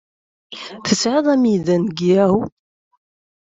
Tesɛiḍ amiḍan deg Yahoo?